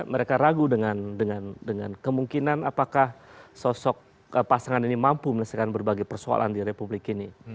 mereka ragu dengan kemungkinan apakah sosok pasangan ini mampu menyelesaikan berbagai persoalan di republik ini